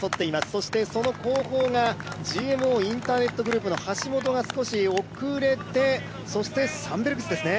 そしてその後方がＧＭＯインターネットグループの橋本が少し遅れて、サンベルクスですね。